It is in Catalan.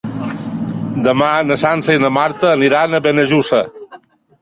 Demà na Sança i na Marta aniran a Benejússer.